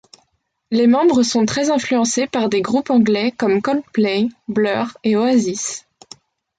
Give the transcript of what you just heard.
Les membres sont très influencés par des groupes anglais comme Coldplay, Blur et Oasis.